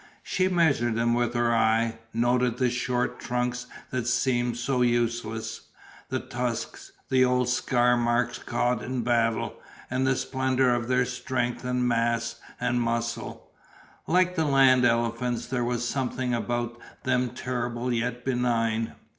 She measured them with her eye, noted the short trunks that seemed so useless, the tusks, the old scar marks got in battle and the splendour of their strength and mass and muscle. Like the land elephants there was something about them terrible yet benign.